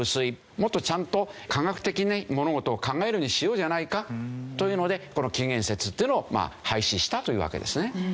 もっとちゃんと科学的に物事を考えるようにしようじゃないかというのでこの紀元節というのを廃止したというわけですね。